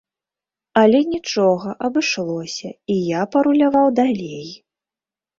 Але нічога, абышлося, і я паруляваў далей.